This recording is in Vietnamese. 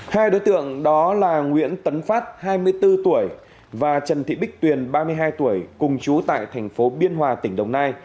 hai đối tượng đó là nguyễn tấn phát hai mươi bốn tuổi và trần thị bích tuyền ba mươi hai tuổi cùng chú tại thành phố biên hòa tỉnh đồng nai